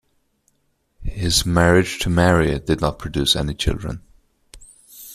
His marriage to Mary did not produce any children.